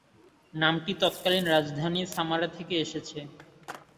নামটি তৎকালীন রাজধানী সামারা থেকে এসেছে।